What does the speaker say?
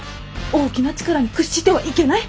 大きな力に屈してはいけない！